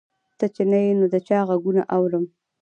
ته چې نه یې نو د چا غـــــــږونه اورم